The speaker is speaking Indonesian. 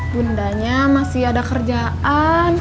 bundanya masih ada kerjaan